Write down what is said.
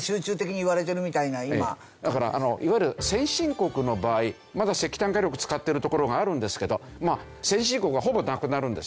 だからいわゆる先進国の場合まだ石炭火力使ってるところがあるんですけど先進国はほぼなくなるんですよ。